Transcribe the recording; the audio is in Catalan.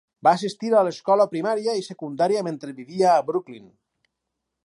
Va assistir a l'escola primària i secundària mentre vivia a Brooklyn.